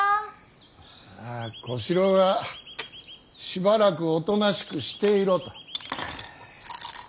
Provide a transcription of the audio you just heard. ああ小四郎がしばらくおとなしくしていろと。